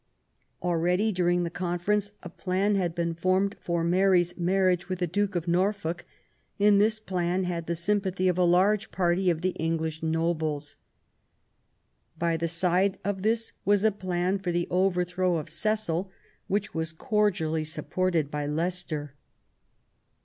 Already, during the conference, a plan had been formed for Mary's marriage with the Duke of Norfolk, and this plan had the S3anpathy of a large party of the English nobles. By the side of this was a plan for the over throw of Cecil, which was cordially supported by Leicester.